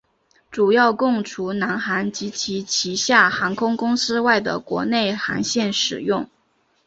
主要供除南航及其旗下航空公司外的国内航线使用。